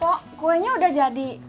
pok kuenya udah jadi